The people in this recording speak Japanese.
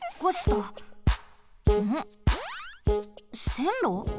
せんろ？